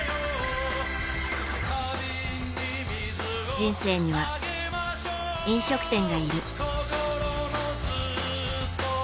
人生には、飲食店がいる。